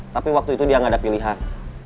tapi waktu itu dia nggak ada pilihan